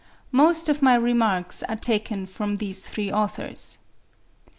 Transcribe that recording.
Most of my remarks are taken from these three authors.